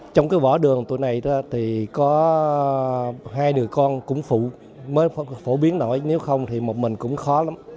trong cái võ đường tuổi này thì có hai đứa con cũng phụ mới phổ biến nổi nếu không thì một mình cũng khó lắm